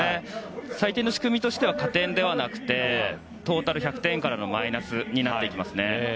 採点の仕組みとしては加点はなくてトータル１００点からのマイナスになってきますね。